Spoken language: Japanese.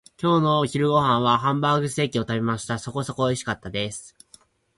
今日のお昼ご飯はハンバーグステーキを食べました。そこそこにおいしかったです。